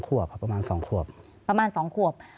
๒ขวบครับประมาณ๒ขวบ